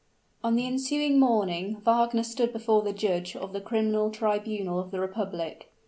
On the ensuing morning Wagner stood before the judge of the Criminal Tribunal of the Republic.